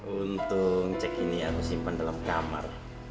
untung cek ini harus simpan dalam kamar